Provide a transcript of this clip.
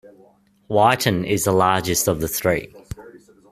Wyton is the largest of the three.